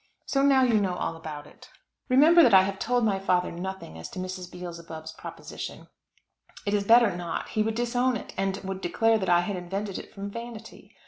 So now you know all about it. Remember that I have told my father nothing as to Mrs. Beelzebub's proposition. It is better not; he would disown it, and would declare that I had invented it from vanity.